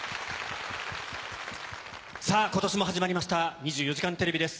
さぁ、今年も始まりました『２４時間テレビ』です。